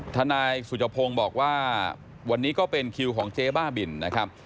นายสุจพงศ์บอกว่าวันนี้ก็เป็นคิวของเจ๊บ้าบินนะครับ